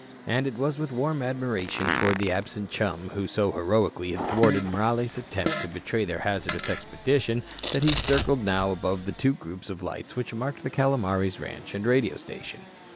And it was with warm admiration toward the absent chum who so heroically had thwarted Morales' attempt to betray their hazardous expedition that he circled now above the two groups of lights which marked the Calomares ranch and radio station.